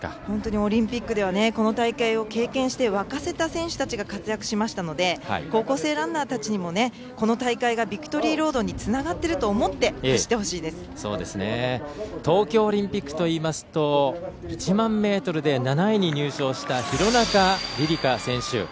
オリンピックではこの大会を経験して沸かせた選手たちが活躍しましたので高校生ランナーたちにもこの大会がビクトリーロードにつながってると思って東京オリンピックといいますと１００００ｍで７位に入賞した廣中璃梨佳選手。